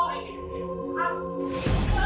อันนี้คือคนเจ็บคนแรกเนี่ยนะคะ